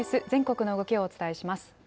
全国の動きをお伝えします。